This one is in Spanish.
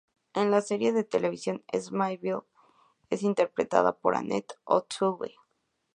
En la serie de televisión Smallville es interpretada por Annette O'Toole.